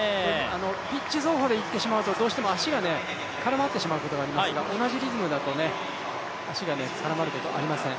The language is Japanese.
ピッチ走法でいってしまうと、足が絡まってしまうことがありますが同じリズムだと、足が絡まることはありません。